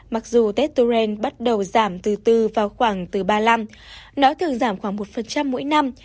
mặc dù tết turen bắt đầu giảm từ từ vào khoảng từ ba năm nó thường giảm khoảng một mỗi năm